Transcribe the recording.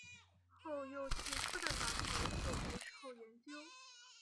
后又去复旦大学做博士后研究。